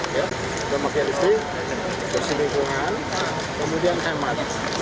sudah makin listrik berselingkungan kemudian hemat